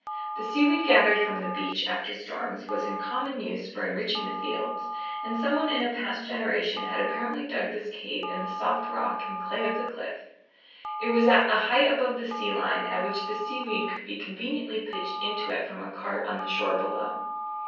The seaweed gathered from the beach after storms was in common use for enriching the fields, and someone in a past generation had apparently dug this cave in the soft rock and clay of the cliff; it was at a height above the sea line at which the seaweed could be conveniently pitched into it from a cart on the shore below.